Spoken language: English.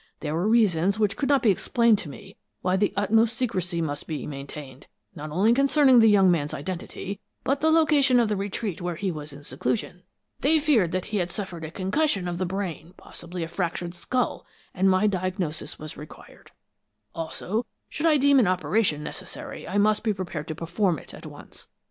There were reasons which could not be explained to me, why the utmost secrecy must be maintained, not only concerning the young man's identity, but the location of the retreat where he was in seclusion. They feared that he had suffered a concussion of the brain, possibly a fractured skull, and my diagnosis was required. Also, should I deem an operation necessary, I must be prepared to perform it at once.